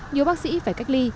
nhiều bác sĩ phải cách ly